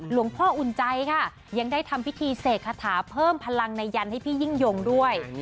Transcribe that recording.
คุณพ่ออุ่นใจค่ะยังได้ทำพิธีเสกคาถาเพิ่มพลังในยันให้พี่ยิ่งยงด้วย